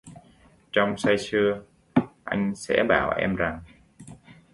Trong say sưa, anh sẽ bảo em rằng: